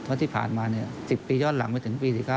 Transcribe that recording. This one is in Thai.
เพราะที่ผ่านมา๑๐ปีย้อนหลังไปถึงปี๔๙